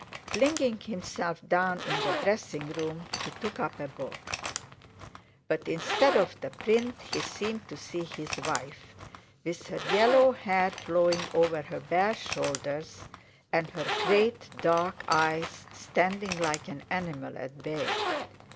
Flinging himself down in the dressing room, he took up a book. But instead of the print he seemed to see his wife—with her yellow hair flowing over her bare shoulders, and her great dark eyes—standing like an animal at bay.